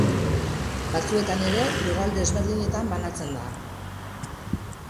Batzuetan ere lurralde ezberdinetan banatzen da.